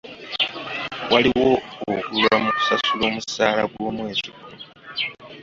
Waliwo okulwa mu kusasula omusaala gw'omwezi guno.